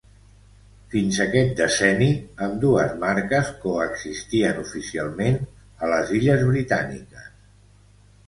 Fins aquest decenni, ambdues marques coexistien oficialment a les Illes Britàniques.